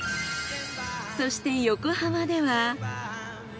そして横浜では。